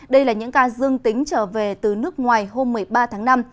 đây là những ca dương tính trở về từ nước ngoài hôm một mươi ba tháng năm